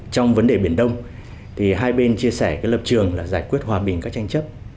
trong vấn đề biển đông hai bên chia sẻ lập trường là giải quyết hòa bình các tranh chấp